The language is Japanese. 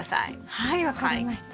はい分かりました。